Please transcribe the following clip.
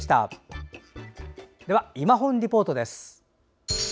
では「いまほんリポート」です。